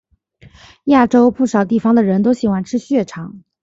亚洲不少地方的人都喜欢吃血肠。